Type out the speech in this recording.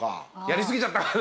やり過ぎちゃったかな？